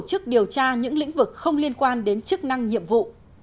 tổ chức điều tra những lĩnh vực không liên quan đến chức năng nhiệm vụ